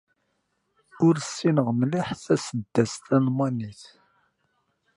Ur ssineɣ mliḥ taseddast talmanit.